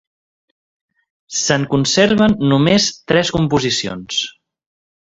Se'n conserven només tres composicions.